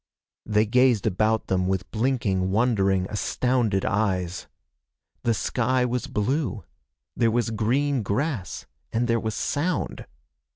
They gazed about them with blinking, wondering, astounded eyes. The sky was blue. There was green grass. And there was sound.